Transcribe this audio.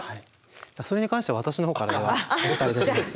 それに関しては私のほうからお伝えいたします。